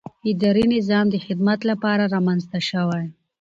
اداري نظام د خدمت لپاره رامنځته شوی.